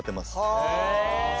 へえ。